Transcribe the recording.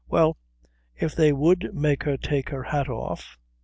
Well, if they would make her take her hat off....